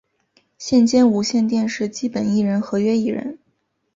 现兼无线电视基本艺人合约艺人。